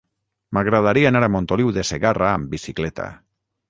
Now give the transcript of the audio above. M'agradaria anar a Montoliu de Segarra amb bicicleta.